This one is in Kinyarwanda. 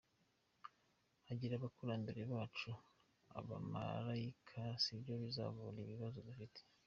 Kugira abakurambere bacu abamalayika sibyo bizavura ibibazo dufite.